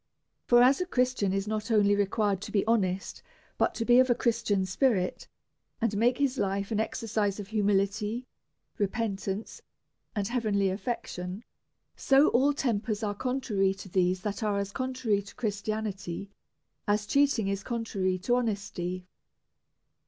For as a Christian is not only required to be honest, but to be of a Chris tian spirit, and make his life an exercise of humility, repentance, and heavenly affection, so all tempers that are contrary to these are as contrary to Christianity as cheating is contrary to honesty.